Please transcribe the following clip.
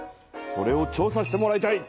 それを調さしてもらいたい。